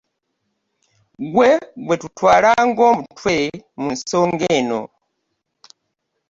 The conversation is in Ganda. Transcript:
Ggwe gwe tutwala nga omutwe mu nsonga eno.